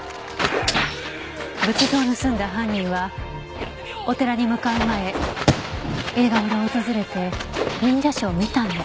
仏像を盗んだ犯人はお寺に向かう前映画村を訪れて忍者ショーを見たんです。